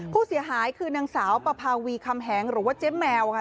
ผู้เสียหายคือนางสาวปภาวีคำแหงหรือว่าเจ๊แมวค่ะ